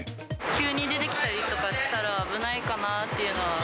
急に出てきたりとかしたら、危ないかなっていうのは。